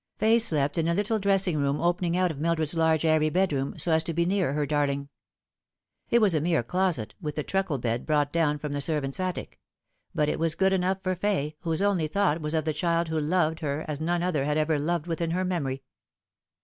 Fay slept in a little dressing room opening out of Mildred's large airy bedroom, so as to be near her darling. It was a mere closet, with a truckle bed brought down from the servants' attic ; but it was good enough for Fay, whose only though T^as of the child who loved her as none other had ever loved wituin her memory.